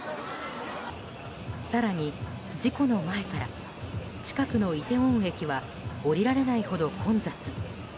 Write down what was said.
更に事故の前から近くのイテウォン駅は下りられないほど混雑。